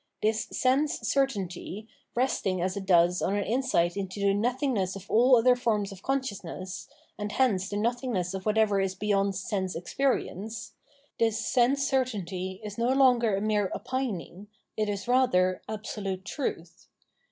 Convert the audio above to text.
This sense certainty, resting as it does on an insight into the nothingness of all other forms of consciousness, and hence the nothingness of whatever is beyond sense experience, — this sense certainty is no longer a mere " opining," it is rather absolute truth.